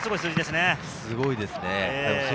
すごいですね。